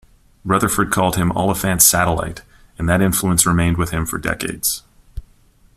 Rutherford called him "Oliphant's satellite" and that influence remained with him for decades.